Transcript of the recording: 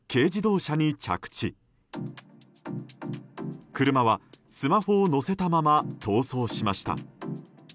車はスマホを乗せたまま逃走しました。